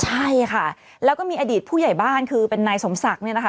ใช่ค่ะแล้วก็มีอดีตผู้ใหญ่บ้านคือเป็นนายสมศักดิ์เนี่ยนะคะ